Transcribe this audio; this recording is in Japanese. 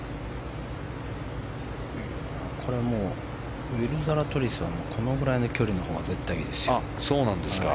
これはもうウィル・ザラトリスはこのぐらいの距離のほうがいいですよ。